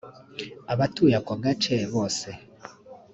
Abatuye ako gace bose